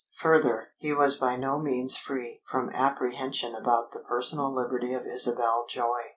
Further, he was by no means free from apprehension about the personal liberty of Isabel Joy.